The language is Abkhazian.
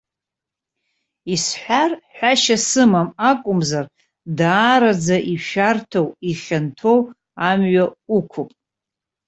Исҳәар, ҳәашьа сымам акәымзар, даараӡа ишәарҭоу, ихьанҭоу амҩа уқәуп.